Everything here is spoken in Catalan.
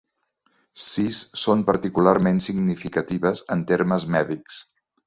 Sis són particularment significatives en termes mèdics.